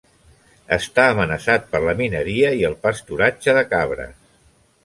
Està amenaçat per la mineria i el pasturatge de cabres.